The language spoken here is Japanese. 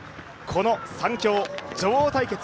この３強、女王対決。